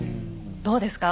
どうですか？